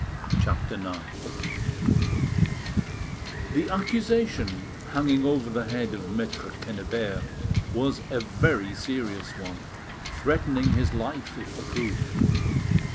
CHAPTER IX The accusation hanging over the head of Maitre Quennebert was a very serious one, threatening his life, if proved.